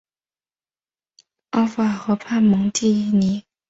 阿夫尔河畔蒙蒂尼。